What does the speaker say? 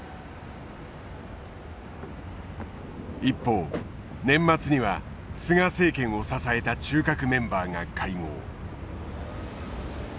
一方年末には菅政権を支えた中核メンバーが会合。